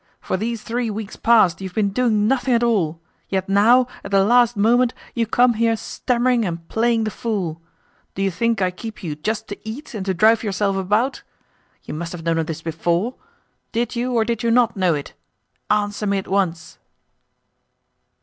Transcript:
For these three weeks past you have been doing nothing at all; yet now, at the last moment, you come here stammering and playing the fool! Do you think I keep you just to eat and to drive yourself about? You must have known of this before? Did you, or did you not, know it? Answer me at once."